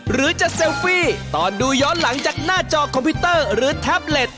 หรือจะเซลฟี่ตอนดูย้อนหลังจากหน้าจอคอมพิวเตอร์หรือแท็บเล็ต